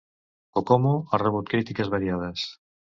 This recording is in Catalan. "Kokomo" ha rebut crítiques variades.